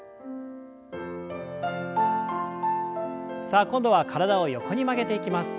さあ今度は体を横に曲げていきます。